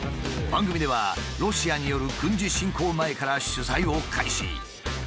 番組ではロシアによる軍事侵攻前から取材を開始。